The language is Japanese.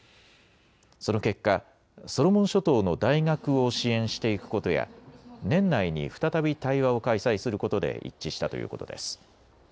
その結果、ソロモン諸島の大学を支援していくことや年内に再び対話を開催することで一致したということです。